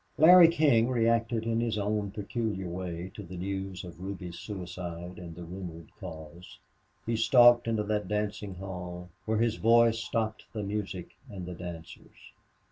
Larry King reacted in his own peculiar way to the news of Ruby's suicide, and the rumored cause. He stalked into that dancing hall, where his voice stopped the music and the dancers.